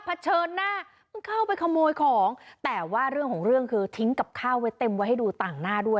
เฉินหน้ามึงเข้าไปขโมยของแต่ว่าเรื่องของเรื่องคือทิ้งกับข้าวไว้เต็มไว้ให้ดูต่างหน้าด้วย